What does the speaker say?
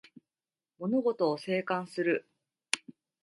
物事を静観する